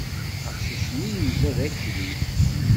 Aqcic-nni yenza d akli.